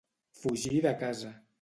Fugir de casa.